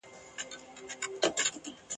په وطن كي عدالت نسته ستم دئ !.